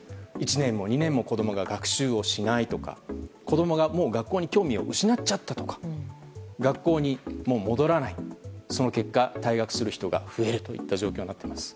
１年も２年も子供が学習をしないとか子供がもう学校に興味を失っちゃったとか学校に戻らないその結果、退学する人が増えるといった状況になっています。